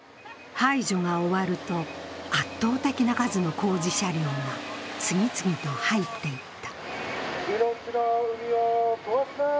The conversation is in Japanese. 排除が終わると、圧倒的な数の工事車両が次々と入っていった。